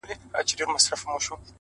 o په زړه کي مي خبري د هغې د فريادي وې،